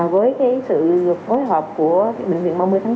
với sự phối hợp của bệnh viện ba mươi tháng bốn